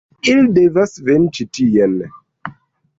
Ili devas veni ĉi tien.